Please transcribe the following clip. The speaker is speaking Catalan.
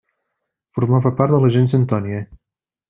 Formava part de la Gens Antònia.